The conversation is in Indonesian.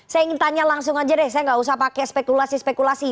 saya ingin tanya langsung aja deh saya nggak usah pakai spekulasi spekulasi